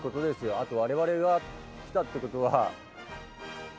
あとわれわれが来たってことは。